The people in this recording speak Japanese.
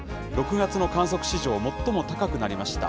６月の観測史上最も高くなりました。